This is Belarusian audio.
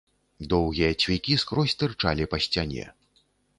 Доўгія цвікі скрозь тырчалі па сцяне.